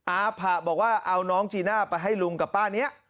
อาผะบอกว่าเอาน้องจีน่าไปให้ลุงกับป้านี้